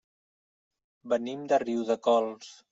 Venim de Riudecols.